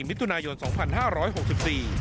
มิถุนายนสองพันห้าร้อยหกสิบสี่